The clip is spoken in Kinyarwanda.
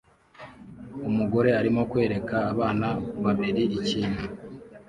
umugore arimo kwereka abana babiri ikintu